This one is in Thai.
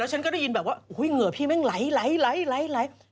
ฉันก็ได้ยินแบบว่าเหงื่อพี่แม่งไหล